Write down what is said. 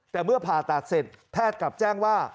แต่เมื่อผ่าตัดเสร็จแพทย์กลับแจ้งว่า